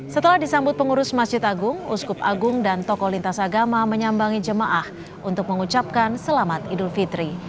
setelah disambut pengurus masjid agung uskup agung dan tokoh lintas agama menyambangi jemaah untuk mengucapkan selamat idul fitri